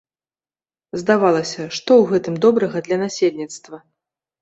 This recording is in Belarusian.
Здавалася, што ў гэтым добрага для насельніцтва?